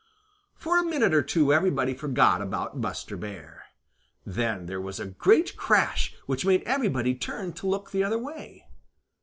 For a minute or two everybody forgot about Buster Bear. Then there was a great crash which made everybody turn to look the other way.